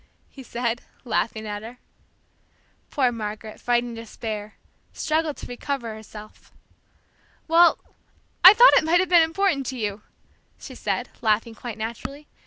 he said, laughing at her. Poor Margaret, fighting despair, struggled to recover herself. "Well, I thought it might have been important to you!" she said, laughing quite naturally.